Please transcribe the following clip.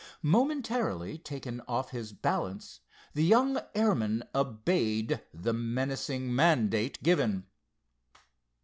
Momentarily taken off his balance, the young airman obeyed the menacing mandate given.